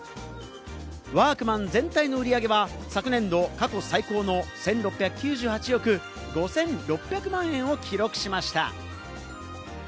ワークマン全体の売り上げは昨年度過去最高の１６９８億５６００万円を記録しました。